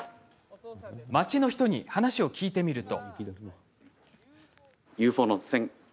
町の人に話を聞いてみると。